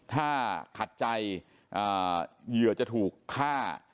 ถ้าขัดใจเหยื่อจะถูกฆ่า